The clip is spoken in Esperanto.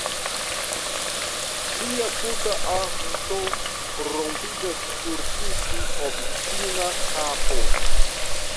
mia tuta arto rompiĝas sur tiu ĉi obstina kapo!